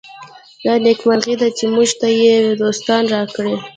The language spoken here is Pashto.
دا نېکمرغي ده چې موږ ته یې دوستان راکړي.